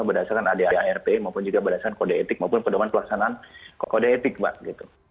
berdasarkan ada arp maupun juga berdasarkan kode etik maupun perdoaan pelaksanaan kode etik mbak